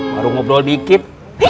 baru ngobrol dikit